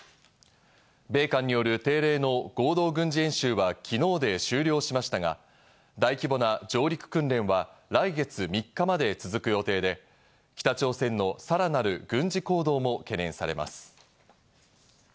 米韓による定例の合同軍事演習は昨日で終了しましたが、大規模な上陸訓練は来月３日まで続く予定で、北朝鮮のさらなる軍事行動も懸念されます。